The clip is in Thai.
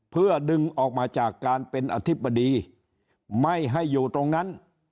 เพื่อดึงออกมาจากการเป็นอธิบดีไม่ให้อยู่ตรงนั้น